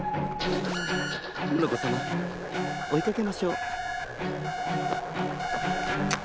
モノコさまおいかけましょう。